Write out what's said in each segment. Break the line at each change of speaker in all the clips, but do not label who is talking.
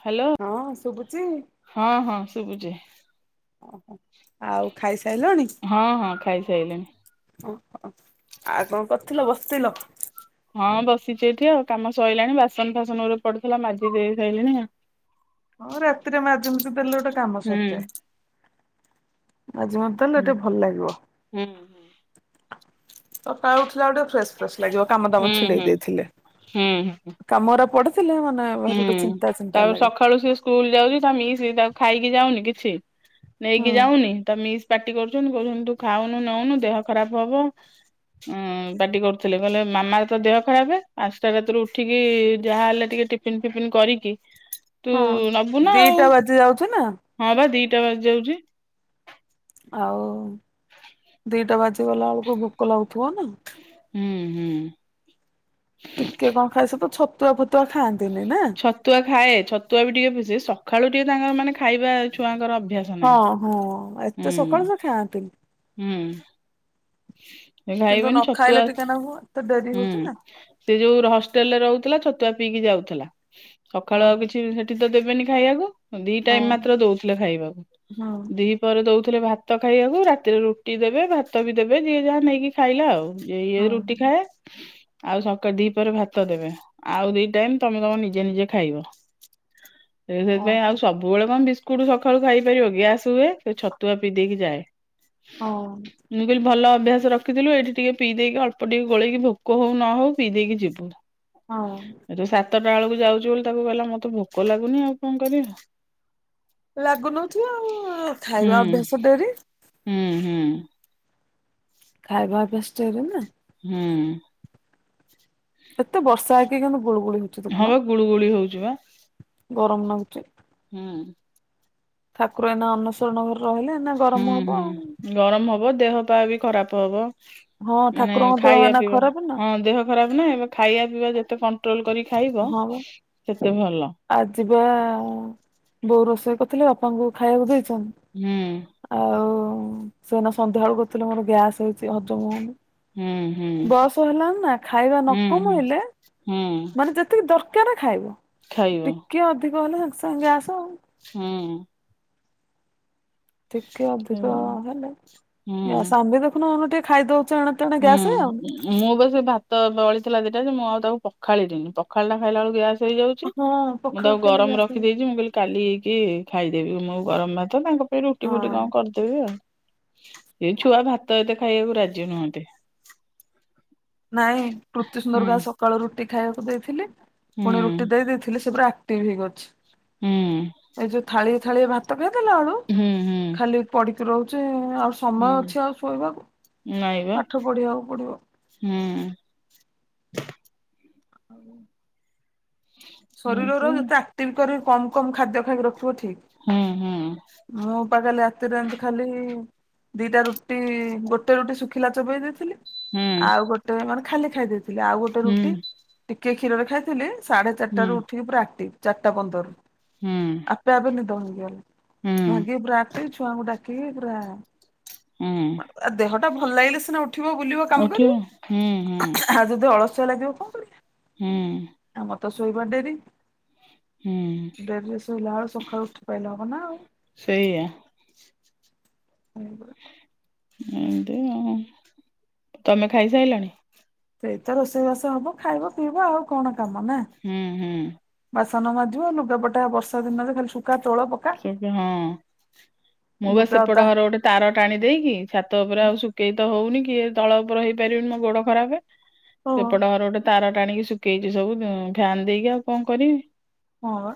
Hello
ହଁ ଶୁବୁଚି?
ହଁ ହଁ ଶୁବୁଚି।
ଓହୋ ଆଉ ଖାଇସାଇଲଣି?
ହଁ ହଁ ଖାଇସାଇଲିଣି।
ଅହ ଆଉ କଣ କରୁଥିଲ ବସଥିଲ?
ହଁ ବସିଚି ଏଠି ଆଉ କାମ ସଇଲାଣି ବାସନ ଫାସନ ଗୁରେ ପଡି ଥିଲା ମାଜି ଦେଇ ସାଇଲିଣି।
ହଁ ରାତିରେ ମାଜି ମୁଜି ଦେଲେ ଗୋଟେ କାମ
ହୁଁ
ସରିଯାଏ। ମାଜି ମୁଜା ଦେଲେ
ହୁଁ
ଟିକେ ଭଲ ଲାଗିବ।
ହୁଁ
ସକାଳୁ ଉଠିଲା ଟିକେ ଫ୍ରେଶ ଫ୍ରେଶ ଲାଗିବ କାମ ଦାମ ଛିଡେଇ
ହୁଁ
ଦେଇଥିଲେ
ହୁଁ ହୁଁ
କାମରା ପଡିଥିଲେ ମାନେ ଭାରି ଗୋଟେ
ହୁଁ।
ଚିନ୍ତା ଚିନ୍ତା
ତାପରେ
ଲାଗେ
ସକାଳୁ ସିଏ ସ୍କୁଲ ଯାଉଚି ତା ମିସି ତାକୁ ଖାଇକି ଯାଉନି କିଛି
ହୁଁ
ନେଇକି ଯାଉନି ତା ମିସ୍ ପାଟି କରୁଚନ୍ତି କୋହୁଚନ୍ତି ତୁ ଖାଉନୁ ନୋଉନୁ ଦେହ ଖରାପ ହବ ହଁ ପାଟି କରୁଥିଲେ, କହିଲେ ମାମାର ତ ଦେହ ଖରାପେ, ପାଞ୍ଚ ଟା ରାତିରୁ ଉଠିକି ଯାହାହେଲେ ଟିକେ ଟି ଟିଫିନ ଫିପିନ କରିକି ତୁ
ହଁ,
ନବୁ ନା ଆଉ
ଦିଇଟା ବାଜି ଯାଉଚି ନା।
ହଁ ପା ଦିଇଟା ବାଜି ଯାଉଚି।
ଆଉ ଦିଇଟା ବାଜିଗଲା ଵେଳକୁ ଭୋକ ଲାଗୁଥିବ ନା?
ହୁଁ, ହୁଁ।
ଟିକେ କଣ ଖାଇଚ ତ। ଛତୁଆ ଫତୁଆ ଖାଆନ୍ତିନି ନା?
ଛତୁଆ ଖାଏ। ଛତୁଆ ବି ଟିକେ ପିଇ ସେ ସଖାଳୁ ଟିକେ ତାଙ୍କର ମାନେ ଖାଇବା ଛୁଆଙ୍କର ଅଭ୍ୟାସ।
ହଁ,
ନାହିଁ।
ହଁ ଏତେ
ହୁଁ
ସକାଳୁ ସେ ଖାଆନ୍ତିି।
ହୁଁ। ଏ ଭାଇ
କିନ୍ତୁ ନ
ଭଉଣୀ
ଖାଇଲେ
ଛତୁଆ,
ଟିକେ ନାକୁ ଏତେ ଡେରି
ହୁଁ।
ହଉଛି ନା।
ସେ ଯୋଉ ହଷ୍ଟେଲରେ ରହୁଥିଲା ଛତୁଆ ପିଇକି ଯାଉଥିଲା, ସକାଳୁ ଆଉ
ଓହୋ
କିଛି ତ ଦେବେନି ଖାଇବାକୁ, ଦି ଟାଇମ୍
ହଁ
ମାତ୍ର ଦଉଥିଲେ ଖାଇବାକୁ।
ହଁ
ଦି ପହରେ ଦଉଥିଲେ ଭାତ ଖାଇବାକୁ, ରାତିରେ ରୁଟି ଦେବେ, ଭାତ ବି ଦେବେ, ଯିଏ ଯାହା ନେଇକି ଖାଇଲା ଆଉ। ଇଏ ରୁଟି ଖାଏ। ଆଉ ସକାଳେ ଦିପହରେ ଭାତ ଦେବେ, ଆଉ ଦି ଟାଇମ୍ ତମେ ତମ ନିଜେ ନିଜେ ଖାଇବ। ହ। [unintelligible] ସେଇଥିପାଇଁ
ଓହୋ
ଆଉ ସବୁବେଳେ କଣ ବିସ୍କୁଟ ସକାଳୁ ଖାଇପାରିବ କି? ଗ୍ୟାସ୍ ହୁଏ, ସେ ଛତୁଆ ପିଇ ଦେଇକି ଯାଏ।
ହଉ।
ମୁଁ କହିଲି ଭଲ ଅଭ୍ୟାସ ରଖିଥିଲୁ। ଏଇଠି ଟିକେ ପିଇ ଦେଇକି ଅଳ୍ପ ଟିକେ ଗୋଳେଇକି, ଭୋକ ହଉ ନ ହଉ ପିଇ ଦେଇକି ଯିବୁ।
ହଁ
ଏ ଯୋଉ ସାତଟା ବେଳକୁ ଯାଉଛୁ ବୋଲି ତାକୁ କହିଲା, ମତେ ଭୋକ ଲାଗୁନି ଆଉ କଣ କରିବା।
ଲାଗୁନଥିବ ଆଉ?
ହୁଁ
ଖାଇବା ଅଭ୍ୟାସ ଡେରି?
ହୁଁ, ହୁଁ।
ଖାଇବା ବେସ୍ତରେ ନା?
ହୁଁ।
ଏତେ ବର୍ଷା ହେଇକି, କିନ୍ତୁ ଗୁଳୁଗୁଳି ହଉଚି।
ହଁବା ଗୁଳୁ ଗୁଳି ହଉଛି ବା।
ଗରମ ଲାଗୁଚି।
ହୁଁ।
ଠାକୁର ଏଇନା ଅଣସର ଘରେ ରହିଲେ, ଏଇନା
ହୁଁ
ଗରମ ହବ
ହୁଁ।
ଆଉ।
ଗରମ ହବ, ଦେହ ପା ବି ଖରାପ ହବ,
ହଁ
ମାନେ
ଠାକୁରଙ୍କ ଦେହ
ଖାଇବା
ଏଇନା
ପିଇବା,
ଖରାପ ନା
ହଁ ଦେହ ଖରାପ ନା? ଏବେ ଖାଇବା ପିଇବା ଯେତେ କଣ୍ଟ୍ରୋଲ କରି ଖାଇବ
ହଁ ବା
ସେତେ ଭଲ।
ଆଜି ପା ବୋଉ ରୋଷେଇ କରିଥିଲେ, ବାପାଙ୍କୁ ଖାଇବାକୁ ଦେଇଛନ୍ତି।
ହୁଁ।
ଆଉ ସେ ଏଇନା ସନ୍ଧ୍ୟା ବେଳୁ କହୁଥିଲେ ମୋର ଗ୍ୟାସ ହଉଛି, ହଜମ ହଉନି।
ହୁଁ ହୁଁ
ବୟସ ହେଲାଣି ନା? ଖାଇବା ନ
ହୁଁ ହୁଁ।
କମେଇଲେ
ହୁଁ
ମାନେ ଯେତିକି ଦରକାର ଖାଇବ,
ଖାଇବ
ଟିକେ ଅଧିକ ହେଲେ ସାଙ୍ଗେ ସାଙ୍ଗେ ଗ୍ୟାସ ଆଉ।
ହୁଁ।
ଟିକେ ଅଧିକ
ହୁଁ।
ହେଲେ ଗ୍ୟାସ,
ହୁଁ।
ଆମେ ଦେଖୁନ ଟିକେ ଖାଇଦଉଛ ଏଇନା
ହୁଁ, ମୁଁ ବାସ୍ ସେଇ ଭାତ ତ ବଳିଥିଲା ଦିଟା ଯେ, ମୁଁ ଆଉ ତାକୁ ପଖାଳିନି ପଖାଳଟା ଖାଇଲା ବେଳକୁ ଗ୍ୟାସ ହେଇଯାଉଛି।
ହଁ
ମୁଁ
ପଖାଳ
ତାକୁ
ଖାଇଲେ
ଗରମ
ଗ୍ୟାସ ହବ।
ରଖିଦେଇଛି ମୁଁ କହିଲି କାଲି କି ଖାଇଦେବି ମୁଁ ଗରମ ଭାତ। ତାଙ୍କ ପାଇଁ ରୁଟି ଫୁଟି
ହଁ
କଣ କରିଦବି। ଆଉ, ଏ ଛୁଆ ଭାତ ଏତେ ଖାଇବାକୁ ରାଜି ନୁହନ୍ତି।
ନାଇଁ, କୃତି
ହୁଁ
ସୁନ୍ଦରକୁ ଆ [unintelligible] ସକାଳୁ ରୁଟି ଖାଇଆକୁ ଦେଇଥିଲି,
ହୁଁ
ଫୁଣି ରୁଟି ଦେଇ ଦେଇେଥିଲି ସେ ପୁରା ଆ ଟିଭ୍ ହେଇକି ଅଛି,
ହୁଁ।
ଏଇ ଯୋଉ ଥାଳିଏ ଥାଳିଏ ଭାତ୍ ତ ଖାଇ ଦେଲା ଅଳୁ,
ହୁଁ ହୁଁ
ଖାଲି ପଡିକି ରହୁଚିଁ, ଆଉ ସୁ ସମୟ
ହୁଁ
ଅଛି ଆଉ ଶୋଇବାକୁ?
ନାଇଁ ବା
ପାଠ ପଢିବାକୁ ପଡିବ।
ହୁଁ।
[inaudible]
ହୁଁ।
ଶରୀରର ଯେତେ ଆକ୍ଟିଭ୍ କରି କମ୍ କମ୍ ଖାଦ୍ୟ ଖାଇକି ରଖିବ ଠିକ୍।
ହୁଁ, ହୁଁ।
ମୁଁ ପା କାଲି ରାତିରେ ଏନ୍ତି ଖାଲି ଦିଟା ରୁଟି-ଇ, ଗୋଟେ ରୁଟି ଶୁଖିଲା ଚୋବେଇ ଦେଇଥିଲି।
ହୁଁ ହୁଁ
ଆଉ ଗୋଟେ ମାନେ ଖାଲି ଖାଇ ଦେଇଥିଲି। ଆଉ ଗୋଟେ
ହୁଁ
ରୁଟି ଟିକେ କ୍ଷୀରରେ ଖାଇ ଥିଲି। ସାଢେ ଚାର୍
ହୁଁ
ଟା ରୁ ଉଠିକି ପୁରା ଆକ୍ଟିଭ୍ ଚାର୍ ଟା ପନ୍ଦରରୁ।
ହୁଁ
ଆପେ ଆପେ ନିଦ ଭାଙ୍ଗି ଗଲା। ଭାଙ୍ଗିକି ପୁରା ଆକ୍ଟିଭ୍, ଛୁଆଙ୍କୁ ଡାକିକି ପୁରା-ଆ
ଉଁ।
ଆ ଦେହଟା ଭଲ ଲାଗିଲେ ସିନା ଉଠିବ, ବୁଲିବ, କାମ
ଉଠିବ ହୁଁ ହୁଁ।
କରିବ। ଆ ଯଦି ଅଳସୁଆ ଲାଗିବ କଣ କରି
ହୁଁ।
ଆମର ତ ଶୋଇବା ଡେରି।
ହୁଁ
ଡେରିରେ ଶୋଇଲା ଅଳୁ ସଖାଳୁ ଉଠି ପାଇଲେ ହବ ନା ଆଉ!
ସେଇୟା।
[inaudible]
ଏଁତି ଆଉ, ତମେ ଖାଇସାଇଲଣି?
ସେଇତ ରୋଷେଇବାସ ହବ, ଖାଇବ, ପିଇବ ଆଉ କଣ କାମ ନା?
ହୁଁ, ହୁଁ।
ବାସନ ମାଜିବ, ଲୁଗାପଟା ବର୍ଷା ଦିନରେ ଖାଲି ଶୁକା, ତୋଳ, ପକ୍
[unintelligible] ହଁ, ମୁଁ ବା
ଲୁଗା
ସେପଟ
ଓଦା
ଘର ଗୋଟେ ତାର ଟାଣି ଦେଇକି, ଛାତ ଉପରେ ଆଉ ଶୁଖେଇ ତ ହଉନି କି ଏ ତଳ ଉପର ହେଇପାରିବନି, ମୋ ଗୋଡ ଖରାପେ।
ଓ
ସେପଟ ଘରେ ଗୋଟେ ତାର ଟାଣିକି ଶୁଖେଇଚି ସବୁ ଉଁ ଫ୍ୟାନ୍ ଦେଇକି, ଆଉ କଣ କରିବି?
ହଁ, ବା।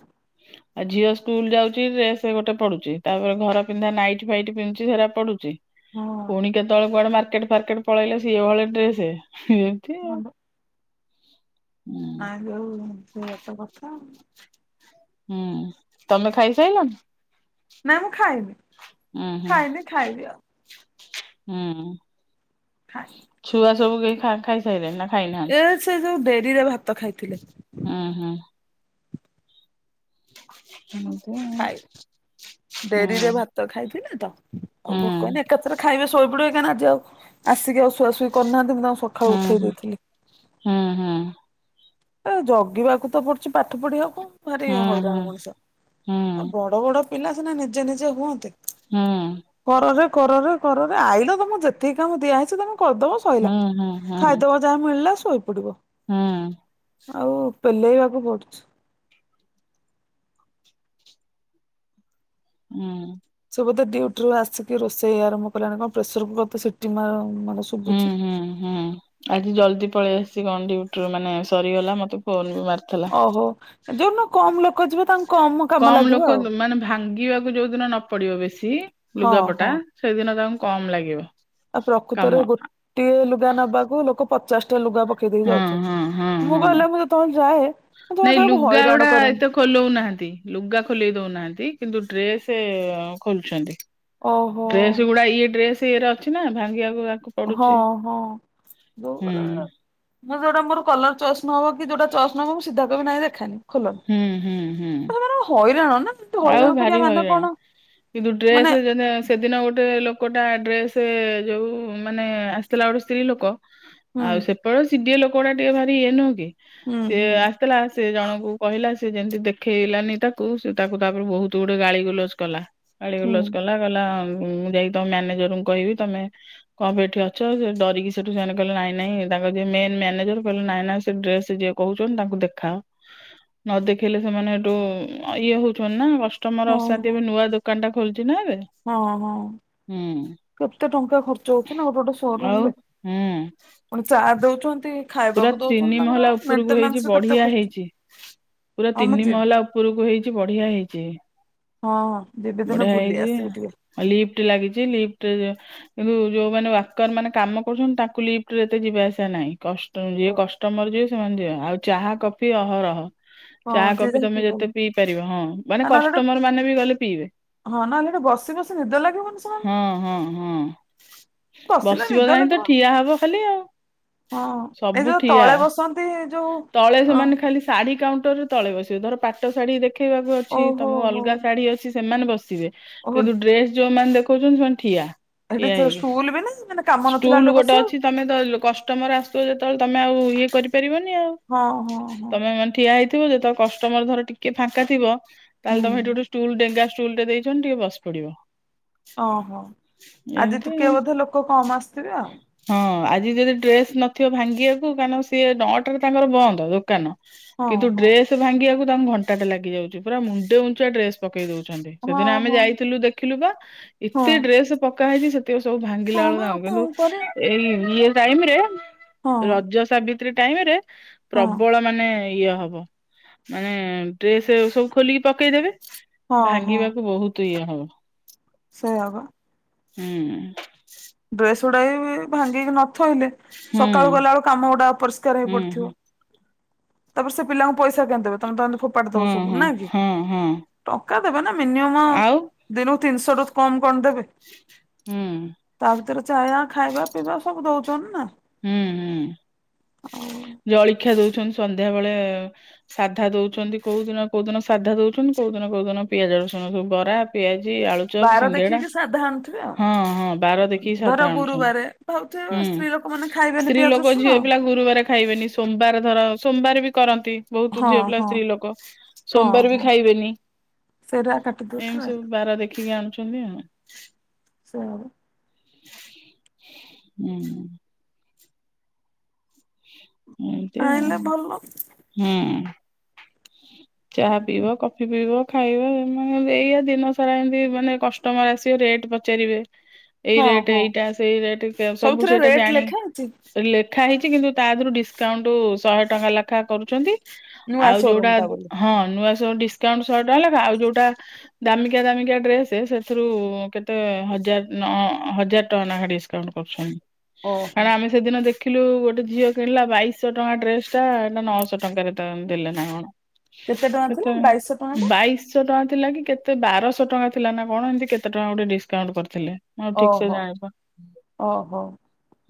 ଆ ଝିଅ ସ୍କୁଲ ଯାଉ ଚି ଡ୍ରେସ୍ ଗୋଟେ ପଡୁଚି। ତା'ପରେ ଘର ପିନ୍ଧା ନାଇଟ୍ ଫାଇଟ୍ ପିନ୍ନୁଚି ଯେ ହେରା ପଡୁଚି।
ହଁ
ପୁଣି କେତେବେଳେ କୁଆଡେ ମାର୍କେଟ୍ ଫାର୍କେଟ୍ ପଳେଇଲେ, ସିଏ ହଳେ ଡ୍ରେସେ। ଏମତି
ମଣ୍ଡ।
ଉଁ।
ନାଇଁ ଯୋଉ ସେଇଆ ତ କଥା ଆଉଁ।
ହୁଁ, ତମେ ଖାଇ ସାଇଲଣି?
ନାଇଁ, ମୁଁ ଖାଇନି।
ହୁଁ
ଖାଇନି ଖାଇବି ଆଉ।
ହୁଁ।
ଖାଏଁ।
ଛୁଆ ସବୁ କେହି ଖା-ଖାଇସାଇଲେଣି ନା,
ଏ
ଖାଇନାହାଁନ୍ତି?
ସେ ଯୋଉ ଡେରିରେ ଭାତ ଖାଇଥିଲେ।
ହୁଁ, ହୁଁ। ହେମିତି ଆ
ଖାଇ, ଡେରିରେ ଭାତ୍ ତ ଖାଇଥିଲେ ତ! ଆଉ
ହୁଁ
ଭୋକ ହେଇନି, ଏକାଥରେ ଖାଇବେ ଶୋଇପଡିବେ କାଇଁ ନା ଆଜି ଆଉ ଆସିକି ଆଉ ସୁଆ ସୁଇ କରିନାହାନ୍ତି ନ
ହୁଁ ହୁଁ ହୁଁ ହୁଁ।
ଏ ଜଗିବାକୁ ତ ପଡୁଚି ପାଠ ପଢିବାକୁ ଭାରି
ହୁଁ ହୁଁ ହୁଁ
ହଇରାଣ ମଣିଷ ଆଉ
ହୁଁ।
ବଡ ବଡ ପିଲା ସିନା ନିଜେ ନିଜେ ହୁଅନ୍ତେ।
ହୁଁ।
କରରେ କରରେ କରରେ ଆଇଲ ତମକୁ ଯେତିକି କାମ ଦିଆ ହେଇଚି ତମେ କରଦବ ଶ ଶଇଲା
ହୁଁ ହୁଁ
ଖାଇଦବ ଯାହା ମିଳିଲା ଶୋଇପଡିବ।
ହୁଁ।
ଆଉ ତେଲେଇବାକୁ ପଡୁଛି।
ହୁଁ।
ସେ ବୋଧେ ଡିଉଟିରୁ ଆସିକି ରୋଷେଇ ଆରମ୍ଭ କଲାଣି କଣ ପ୍ରେସର୍ କୁକର ତ ସିଟି ମା ମାନେ
ହୁଁ
ଶୁଭୁଛି।
ହୁଁ ହୁଁ। ଆଜି ଜଲଦି ପଳି ଆସିଚି କଣ ଡିଉଟି ରୁ ମାନେ ସରିଗଲା ମତେ ଫୋନ୍ ବି ମାରିଥିଲା।
ଓହୋ ଯୋଉଦିନ କମ୍ ଲୋକ ଯିବେ ତାଙ୍କୁ କମ କାମ
କମ୍
ଲାଗିବ
ଲୋକ
ଆଉ
ମାନେ ଭାଙ୍ଗିବାକୁ ଯୋଉ ଦିନ ନ ପଡିବ ବେଶୀ
ହଁ ହଁ
ଲୁଗାପଟା ସେଇଦିନ ତାଙ୍କୁ କମ୍ ଲାଗିବ।
ଆଉ
କାମ।
ପ୍ରକୃତରେ ଗୋଟିଏ ଲୁଗା ନବାକୁ ଲୋକ ପଚାଶ ଟା ଲୁଗା ପକେଇ ଦେଇକି
ହଁ ହଁ ହଁ
ଯାଉଛନ୍ତି ମୁଁ
ହଁ
କହିଲା ମୁଁ ଯେତେବେଳେ ଯାଏ। ମୁଁ ଜମା
ନାଇଁ
କାହାକୁ
ଲୁଗା
ହଇରାଣ
ଗୁଡା
କରେନି
ଏତ ଖୋଲୋନାହାନ୍ତି ଲୁଗା ଖୋଲେଇ ଦଉନାହାନ୍ତି କିନ୍ତୁ ଡ୍ରେସ୍ ଖୋଲୁଛନ୍ତି।
ଓହୋ
ଡ୍ରେସ୍ ଗୁଡା ଇଏ ଡ୍ରେସ୍ ଇଏରେ ଅଛି ନା ଭାଙ୍ଗିବାକୁ ଆକୁ
ହଁ
ପଡୁଛି
ହଁ ଯୋଉ
ହୁଁ
ମାନେ ମୁ ଯୋଉଡା ମୋର କଲର୍ ଚଏସ୍ ନହବ କି ଯୋଉଟା ଚଏସ୍ ନହବ ମୁଁ ସିଧା କଇବିି ନାଇଁ ଦେଖାନି ଖୋଲନି
ହୁଁ ହୁଁ ହୁଁ
[unintelligible] ହଇରାଣ ନା। ହଇରାଣ
ଆଉ
କରିବା
ଭାରି
ମାନେ
ହଇରାଣ
କଣ
କିନ୍ତୁ
ମାନେ
ଡ୍ରେସ୍ ଯେତେ ସେଦିନ ଗୋଟେ ଲୋକଟା ଡ୍ରେସ୍ ଯୋଉ ମାନେ ଆସିଥିଲା ଗୋଟେ ସ୍ତ୍ରୀ ଲୋକ
ହୁଁ
ଆଉ ସେପଟେ ସିଡିଏ ଲୋକଉଡା ଟିକେ ଭାରି ଇଏ ନୁହଁ କି
ହୁଁ
ସିଏ
ହୁଁ
ଆ ଆସିଥିଲା ସେ ଜଣଙ୍କୁ କହିଲା ସେ ଯେମତି ଦେଖେଇଲାନି ତାକୁ ସେ ତାକୁ ତାପରେ ବହୁତ୍ ଗୁଡ଼େ ଗାଳି ଗୁଲଜ କଲା ଗାଳି
ହୁଁ
ଗୁଲଜ କଲା କଇଲା ମୁଁ ଯାଇକି ତମ ମ୍ୟାନେଜରଙ୍କୁ କହିବି ତମେ ଙ୍କ ପାଇଁ ଏଠି ଅଛ ସେ ଡରିକି ସେଠୁ ସେମାନେ କଇଲେ ନାଇଁ ନାଇଁ ତାଙ୍କ ଯିଏ ମେନ୍ ମ୍ୟାନେଜର କଇଲେ ନାଇଁ ନାଇଁ ସେ ଡ୍ରେସ୍ ଯିଏ କହୁଛନ୍ତି ତାଙ୍କୁ ଦେଖାଅ ନ ଦେଖେଇଲେ ସେମାନେ ଏଠୁ ଇଏ ହଉ ଛନା କଷ୍ଟମର
ହଁ
ଅସାନ୍ତି
ହଁ
ହେବେ ନୂଆ ଦୋକାନ ଟା ଖୋଲୁଛି ନା ଏବେ।
ହଁ ହଁ।
ହୁଁ।
କେତେ ଟଙ୍କା ଖର୍ଚ୍ଚ ହଉଚି ନା ଗୋଟେ ଗୋଟେ ସୋ ରୁମ୍
ଆଉ
ରେ
ହୁଁ
ପୁଣି ଚାର୍ଜ ଦଉଚନ୍ତି।
ପୁରା ତିନି ମହଲା ଉପୁରୁକୁ ହେଇଚି
କେତେ
ବଢ଼ିଆ
ଖର୍ଚ୍ଚ।
ହେଇଚି ପୁରା
ହଁ ମୁଁ
ତିନି
ଯିବି
ମହଲା ଉପୁରୁକୁ ହେଇଚି ବଢ଼ିଆ ହେଇଚି।
ହଁ ଯିବି ଦିନେ ବୁଲି ଆସିବି ଟିକେ।
ଏ ଲିପ୍ଟି ଲାଗିଚି ଲିପ୍ଟିରେ ଯିଏ କିନ୍ତୁ ଯୋଉମାନେ ୱାର୍କର ମାନେ କାମ କରୁଚନ୍ତି ତାଙ୍କୁ ଲିପ୍ଟି ରେ ଏତେ ଯିବା ଆସିବା ନାହିଁ। କଷ୍ଟମର ଯିବେ
ଓହୋ
କଷ୍ଟମର ଯିଏ ସେମାନେ ଯିିବେ ଆଉ ଚାହା କଫି ଅହରହ। ଚା
ହଁ ଯିଏ
କଫି
ଯାହା
ତମେ
ପିଇବ
ଯେତେ ପିଇ ପାରିବ ହଁ ମାନେ
ଆଉ ନହେଲେ ଗୋଟେ
କଷ୍ଟମର ମାନେ ବି ଗଲେ ପିଇବେ।
ହଁ ନହେଲେ ସେଠି ବସି ବସି ନିଦ ଲାଗିବନି ସେମାନଙ୍କୁ।
ହଁ ହଁ ହଁ।
ବସିଲେ
ବସିବ
ନିଦ
ନାହିଁ ତ
ଲାଗିବନି।
ଠିଆ ହବ ଖାଲି ଆଉ।
ହଁ ଏଇ
ସବୁ
ଯୋଉ
ଠିଆ
ତଳେ ବସ
ତଳେ ସେମାନେ ଖାଲି ଶାଢୀ କାଉଣ୍ଟର ରେ ତଳେ ବସିବେ ଧର ପାଟ ଶାଢୀ ଦେ ଦେଖେଇବାକୁ ଅଛି
ଓହୋ
ତମକୁ
ହୋ
ଅଲଗା ଶାଢୀ ଅଛି ସେମାନେ ବସିବେ
ଓହୋ
କିନ୍ତୁ ଡ୍ରେସ ଯୋଉମାନେ ଦେଖ ଦେଖୋଉଚନ୍ତି ସେମାନେ ଠିଆ
ଏଠି
ଠିଆ
ତ
ହେଇକି
ଷ୍ଟୁଲ ବି ନା ମାନେ କାମ ନଥିଲା
ଷ୍ଟୁଲ୍
ବେଳେ
ଗୋଟେ
ବସିବାକୁ
ଅଛି ତମେ ଦ କଷ୍ ଷ୍ଟମର ଆସଥିବେ ଯେତେବେଳେ ତମେ ଆଉ ଇଏ କରିପାରିବନି ଆଉ।
ହଁ ହଁ ହଁ।
ତମେ ମାନେ ଠିଆ ହେଇଥିବ ଯେତେବେଳେ କଷ୍ଟମର ଧର ଟିକେ ଫାଙ୍କାଥିବ
ହୁଁ
ତାହେଲେ ତମେହେଇଠି ଗୋଟେ ଷ୍ଟୁଲ୍ ଡେଙ୍ଗା ଷ୍ଟୁଲ୍ ଟେ ଦେଇଚନ୍ତି ଟିକେ ବସି ପଡ଼ିବ।
ଅଁ ହଁ ଆଜି
ଏମିତି
ଟିକେ ବୋଧେ ଲୋକ କମ୍ ଆସିଥିବେ ଆଉ?
ହଁ ଆଜି ଯଦି ଡ୍ରେସ୍ ନଥିବ ଭାଙ୍ଗିବାକୁ କାରଣ ସିଏ ନଅଟାରେ ତାଙ୍କର ବନ୍ଦ ଦୋକାନ। କିନ୍ତୁ
ହଁ
ଡ୍ରେସ୍ ଭାଙ୍ଗିବାକୁ ତାଙ୍କୁ ଘଣ୍ଟାଟା ଲାଗିଯାଉଚି ପୁରା ମୁଣ୍ଡେ ଉଞ୍ଚା ଡ୍ରେସ୍ ପକେଇ ଦଉଚନ୍ତି
ହଁ
ସେଦିନ ଆମେ
ହଁ
ଯାଇଥିଲୁ ଦେଖିଲୁ ପା
ହଁ ହଁ
ଏତେ ଡ୍ରେସ୍ ପକା ହେଇଚି ସେ ତିକ ସବୁ ଭାଙ୍ଗିଲା
ହଁ
ବେଳକୁ
ବା ଆଉ
ତାଙ୍କୁ
କଣ
କିନ୍ତୁ
କରିଆ
ଏଇ ଇଏ ଟାଇମ୍ ରେ
ହଁ
ରଜ ସାବିତ୍ରୀ ଟାଇମ୍ ରେ
ହଁ
ପ୍ରବଳ ମାନେ ଇଏ ହବ ମାନେ ଡ୍ରେସ୍ ସବୁ ଖୋଲିକି ପକେଇଦେବେ
ହଁ
ଭାଙ୍ଗିବାକୁ ବହୁତ୍ ଇଏ ହବ।
ସେଇୟା ବା।
ହୁଁ।
ଡ୍ରେସ୍ ଗୁଡ଼ାବି ଭାଙ୍ଗିକି ନଥୋଇଲେ
ହୁଁ
ସକାଳୁ ଗଲାବେଳୁ କାମ ଗୁଡ଼ା ଅପରିଷ୍କାର ହେଇ
ହୁଁ
ପଡ଼ିଥିବ।
ହୁଁ।
ତାପରେ ସେ ପିଲାଙ୍କୁ ପଇସା କାଇଁ ଦେବେ ତମେ ତମ ଫୋପାଡ଼ି ଦବ
ହଁ
ସବୁ
ହଁ
ନାଁ କି।
ହଁ ହଁ
ଟଙ୍କା ଦେବେ ନା ମିନିଅମ୍
ଆଉ
ଦିନୁ ତିନିଶ ରୁ କମ୍ କଣ ଦେବେ।
ହୁଁ।
ତା ଭିତରେ ଚାୟା ଖାଇବା ପିଇବା ସବୁ ଦଉଚନ୍ତି ନା।
ହୁଁ ହୁଁ
ଆଉ
ଜଳଖିଆ ଦଉଚନ୍ତି ସନ୍ଧ୍ୟା ବେଳେ ସାଧା ଦଉଚନ୍ତି କୋଉ ଦିନ କୋଉ ଦିନ ସାଧା ଦଉଛନ୍ତି କୋଉ ଦିନ କୋଉ ଦିନ ପିଆଜ ରସୁଣ ସବୁ ବରା ପିଆଜି ଆଳୁ ଚପ୍
ବାର
ସିଙ୍ଗେଡା
ଦେଖିକି ସାଧା ଆଣୁଥିବେ ଆଉ।
ହଁ ହଁ ବାର ଦେଖିକି
ଧର
ସାଧା ଆଣୁଚନ୍ତି।
ଗୁରୁବାରେ ଭାବୁଥିବେ
ହୁଁ,
ସ୍ତ୍ରୀ ଲୋକମାନେ ଖାଇବେନି
ସ୍ତ୍ରୀ
ପିଆଜ
ଲୋକ
ରସୁଣ
ଝିଅ ପିଲା ଗୁରୁବାର ଖାଇବେନି ସୋମବାର ଧର ସୋମବାର ବି କରନ୍ତି। ବହୁତ
ହଁ
ଝିଅ ପିଲା
ହଁ
ସ୍ତ୍ରୀ ଲୋକ
ହଁ
ସୋମବାର ବି
ହଁ
ଖାଇବେନି।
ସେଇଟା କାଟି
ଏମ
ଦଉଥିବେ
ସବୁ ବାର ଦେଖିକି ଆଣୁଛନ୍ତି ଆ।
ସେୟା ପା।
ଉଁ। ଏମତି ଆଉ
ଆଣିଲେ ଭଲ
ହୁଁ ଚାହା ପିଇବ କ ଫି ପିିବ ଖାଇବ ମାନେ ଏଇଆ ଦିନ ସାରା ଏମିତି ମାନେ କଷ୍ଟମର ଆସିବେ ରେଟ୍ ପଚାରିବେ। ଏଇ
ହଁ
ରେଟ
ହଁ
ଏଇଟା ସେଇ ରେଟ ସବୁ
ସବୁଥିରେ
ସେଇଟା
ରେଟ୍
ଜାଣି
ଲେଖା ଅଛି
ଲେଖା ହେଇଚି କିନ୍ତୁ ତା ଦେହରୁ ଡିସକାଉଣ୍ଟ ଶହେ ଟଙ୍କା ଲେଖା କରୁଚନ୍ତି।
ନୂଆ
ଆଉ
ସୋରୁମ
ଯୋଉଟା
ଟା ବୋଲି
ହଁ ନୂଆ ସବୁ ଡିସକାଉଣ୍ଟ ଶହେ ଟଙ୍କା ଲେଖା ଆଉ ଯୋଉଟା ଦାମିକିଆ ଦାମିକିଆ ଡ୍ରେସ ସେଥିରୁ କେତେ ହଜାର ହଜାର ଟଙ୍କା ନେଖା ଡି କାଉଣ୍ଟ କରୁଛନ୍ତି
ଓହୋ।
କାରଣ ଆମେ ସେଦିନ ଦେଖିଲୁ ଗୋଟେ ଝିଅ କିଣିଲା ବାଇଶ ଟଙ୍କା ଡ୍ରେସ ଟା ଏଇଟା ନଅଶ ଟଙ୍କାରେ ଦେଲେ ନା କଣ।
ଟଙ୍କା ଥିଲା
କେତେ
ବାଇଶହ ଟଙ୍କା ଟା
ବାଇ ଶ ଟଙ୍କାଥିଲା କି କେତେ ବାରଶହ ଟଙ୍କା ଥିଲା ନା କଣ ଏମିତି କେତେ ଟଙ୍କା ଗୋଟେ ଡିସକାଉଣ୍ଟ କରିଥିଲେ। ମୁଁ ଆଉ ଠିକ ସେ
ଓହୋ
ଜାଣିପାନି
ଓହୋ।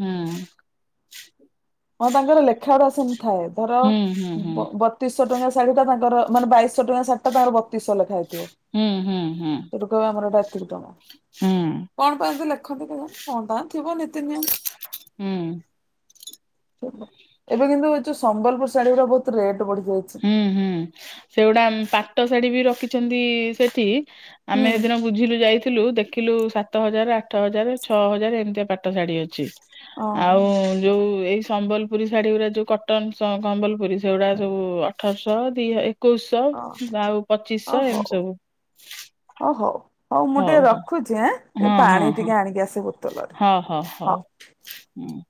ହୁଁ।
ହଁ ତାଙ୍କର ଲେଖା ଉଡା ସେମିତି ଥାଏ ଧର ବ ତିଶହ ଟଙ୍କା ଶାଢ଼ୀ ଟା ତାଙ୍କର ମାନେ ବାଇସ ଟଙ୍କା ଶାଢ଼ୀ ତାର ବତିଶ ଲେଖା ହେଇ ଥିବ।
ହୁଁ ହୁଁ ହୁଁ।
ସେଟୁ କହ ଆମର ଏଟା ଅତିକତମ କଣ ପାଆନ୍ତି ଲେଖନ୍ତି କଣ ଟ ଥିବ ନୀତି ନିୟମ
ହୁଁ।
ଏବେ କିନ୍ତୁ ଏଯୋଉ ସମ୍ବଲପୁର ଶାଢୀଅରା ବହୁତ୍ ରେଟ୍ ବଢି ଯାଇଚି।
ହୁଁ ହୁଁ ସେଗୁଡ଼ା ପାଟ ଶାଢ଼ୀବି ରଖିଚନ୍ତି ସେଠି
ହୁଁ।
ଆମେ ସେଦିନ ବୁଝିଲୁ ଯାଇଥିଲୁ ଦେ ଦେଖିଲୁ ସାତ ହଜାରେ ଆଠ ହଜାରେ ଛଅ ହଜାରେ ଏମିତିଆ ପାଠ ଶାଢ଼ୀ ଅଛି।
ଓହୋ
ଆଉ ଯୋଉ ଏଇ ସମ୍ବଲ ପୁରୀ ଶାଢୀ ଗୁଡ଼ା ଯୋଉ କଟନ କମ୍ବଲ ପୁରୀ ସେଗୁଡ଼ା ସବୁ ଅଠରଶହ ଦିଇ ହ ଏକୋଇଶହ ଆଉ
ଓହୋ ହଉ
ପଚିଶିଶହ ଏମିତି
ହଉ
ସବୁ।
ଓ ହୋଉ। ହଉ ମୁଁ ଟିକେ ରଖୁଚି ଆଁ ଟିକେ
ହଁ ହଁ
ପାଣି
ହଁ
ଟିକେ ଆଣିକି ଆସେ ବୋତଲରେ
ହଉ ହଉ
ହଉ।
ହୁଁ।